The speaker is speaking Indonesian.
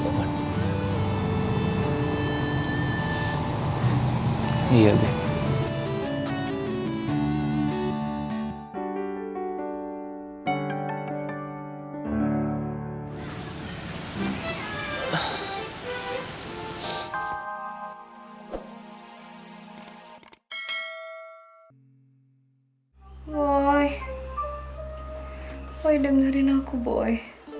kamu jangan tinggalin aku boy